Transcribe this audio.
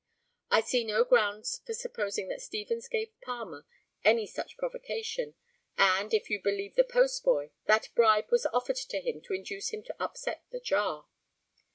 I see no ground for supposing that Stevens gave Palmer any such provocation, and, if you believe the postboy, that bribe was offered to him to induce him to upset the jar.